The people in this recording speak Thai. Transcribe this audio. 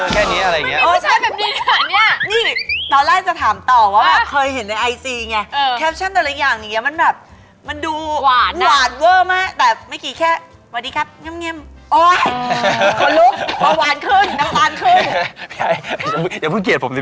ไม่มีช้ายแบบนี้ค่ะนี่